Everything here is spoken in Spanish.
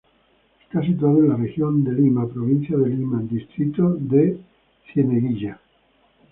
Está situado en la Región Lima, provincia de Lima, Distrito de Cieneguilla.